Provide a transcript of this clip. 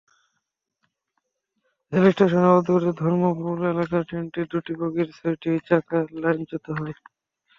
রেলস্টেশনের অদূরে ধর্মপুর এলাকায় ট্রেনটির দুটি বগির ছয়টি চাকা লাইনচ্যুত হয়।